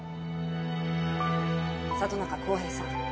里中浩平さん